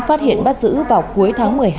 phát hiện bắt giữ vào cuối tháng một mươi hai